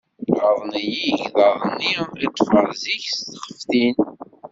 Ɣaḍen-iyi igḍaḍ-nni i d-ṭṭfeɣ zik s txeftin.